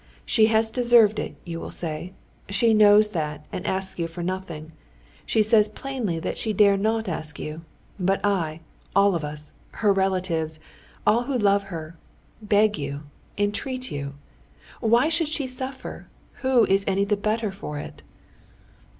She has deserved it, you will say. She knows that and asks you for nothing; she says plainly that she dare not ask you. But I, all of us, her relatives, all who love her, beg you, entreat you. Why should she suffer? Who is any the better for it?"